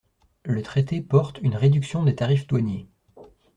Le traité porte une réduction des tarifs douaniers.